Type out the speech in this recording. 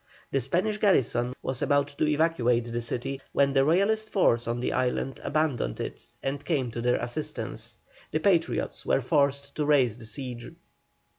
The Spanish garrison was about to evacuate the city, when the Royalist force on the island abandoned it and came to their assistance. The Patriots were forced to raise the siege.